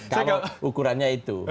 kalau ukurannya itu